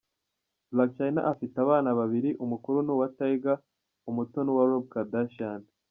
Blac Chyna afite abana babiri, umukuru ni uwa Tyga, umuto ni uwa Rob Kardashian.